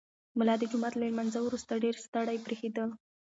ملا د جومات له لمانځه وروسته ډېر ستړی برېښېده.